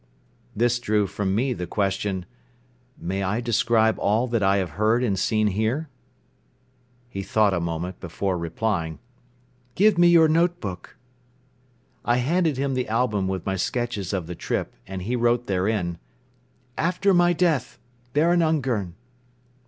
This drew from me the question: "May I describe all that I have heard and seen here?" He thought a moment before replying: "Give me your notebook." I handed him the album with my sketches of the trip and he wrote therein: "After my death, Baron Ungern."